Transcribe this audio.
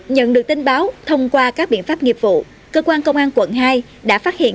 nhận được tin báo thông qua các biện pháp nghiệp vụ cơ quan công an quận hai đã phát hiện